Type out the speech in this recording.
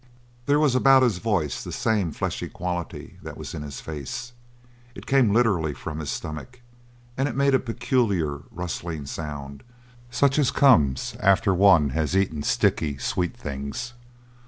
There was about his voice the same fleshy quality that was in his face; it came literally from his stomach, and it made a peculiar rustling sound such as comes after one has eaten sticky sweet things.